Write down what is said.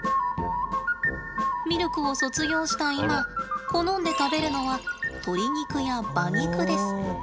ミルクを卒業した今好んで食べるのは鶏肉や馬肉です。